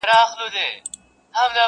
• ښکاري وایې دا کم اصله دا زوی مړی..